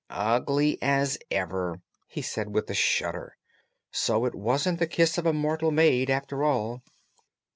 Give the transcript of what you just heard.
"Ugly as ever!" he said with a shudder. "So it wasn't the kiss of a Mortal Maid, after all."